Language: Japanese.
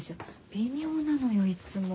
微妙なのよいつも。